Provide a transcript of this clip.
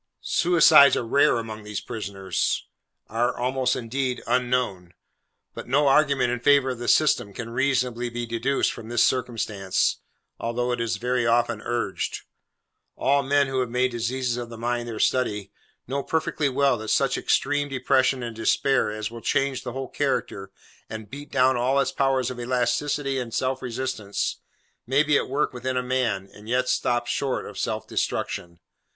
Suicides are rare among these prisoners: are almost, indeed, unknown. But no argument in favour of the system, can reasonably be deduced from this circumstance, although it is very often urged. All men who have made diseases of the mind their study, know perfectly well that such extreme depression and despair as will change the whole character, and beat down all its powers of elasticity and self resistance, may be at work within a man, and yet stop short of self destruction.